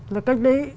là cách đấy